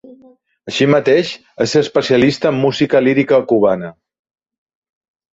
Així mateix, és especialista en música lírica cubana.